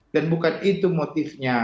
dan bukan itu motifnya